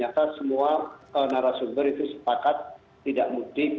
dan ternyata semua narasumber itu sepakat tidak mudik